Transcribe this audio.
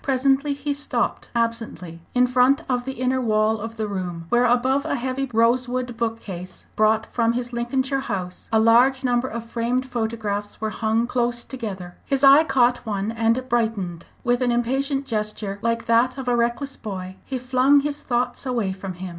Presently he stopped absently in front of the inner wall of the room, where, above a heavy rosewood bookcase, brought from his Lincolnshire house, a number of large framed photographs were hung close together. His eye caught one and brightened. With an impatient gesture, like that of a reckless boy, he flung his thoughts away from him.